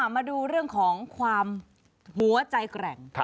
มาดูเรื่องของความหัวใจแกร่ง